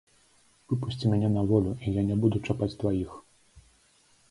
Выпусці мяне на волю, і я не буду чапаць тваіх.